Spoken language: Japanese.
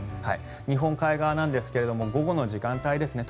日本海側なんですが午後の時間帯ですね。